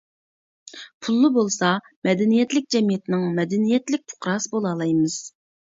پۇللا بولسا، مەدەنىيەتلىك جەمئىيەتنىڭ مەدەنىيەتلىك پۇقراسى بولالايمىز.